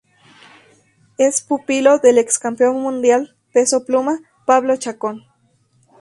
Es pupilo del ex campeón mundial peso pluma, Pablo Chacón.